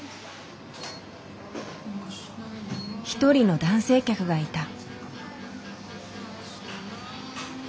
一人の男性客がいた。